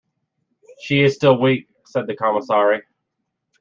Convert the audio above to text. "She is still weak," said the Commissaire.